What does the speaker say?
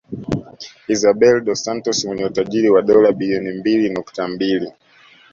Isabel dos Santos mwenye utajiri wa dola bilioni mbili nukta mbili